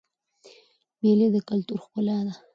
مېلې د کلتور ښکلا ده.